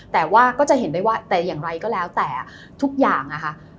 แต่ว่าก็จะเห็นได้ว่าแต่อย่างไรก็แล้วแต่ทุกอย่างนะคะ